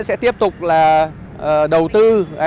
sẽ tiếp tục là đầu tư